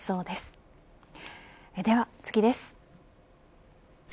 では次です。